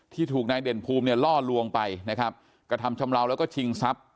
ถูกนายเด่นภูมิเนี่ยล่อลวงไปนะครับกระทำชำเลาแล้วก็ชิงทรัพย์